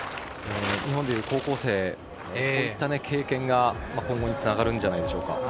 日本でいう高校生でこういった経験が今後につながるんじゃないでしょうか。